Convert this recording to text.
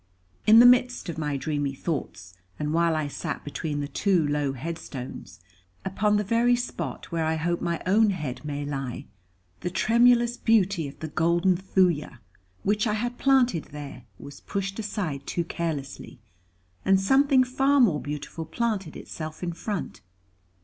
In the midst of my dreamy thoughts, and while I sat between the two low headstones, upon the very spot where I hope my own head may lie, the tremulous beauty of the Golden Thuja, which I had planted there, was pushed aside too carelessly, and something far more beautiful planted itself in front.